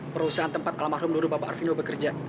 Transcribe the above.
perusahaan tempat kalamah rumdur bapak arvino bekerja